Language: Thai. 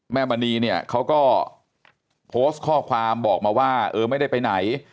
มณีเนี่ยเขาก็โพสต์ข้อความบอกมาว่าเออไม่ได้ไปไหน